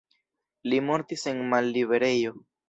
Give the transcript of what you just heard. Li mortis en malliberejo.